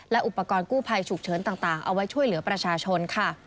อุปกรณ์กู้ภัยฉุกเฉินต่างเอาไว้ช่วยเหลือประชาชนค่ะ